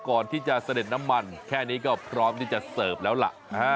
เสด็จน้ำมันแค่นี้ก็พร้อมที่จะเสิร์ฟแล้วล่ะ